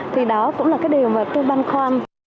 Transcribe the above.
thì đó cũng là cái điều mà tôi băn khoăn